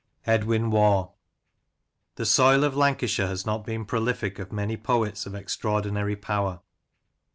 EDWIN WAUGH. THE soil of Lancashire has not been prolific of many poets of extraordinary power.